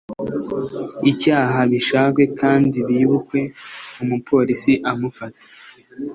icyaha bishakwe kandi bibikwe umupolisi amufata